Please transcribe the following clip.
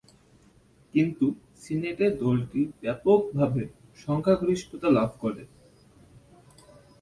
কিন্তু, সিনেটে দলটি ব্যাপকভাবে সংখ্যাগরিষ্ঠতা লাভ করে।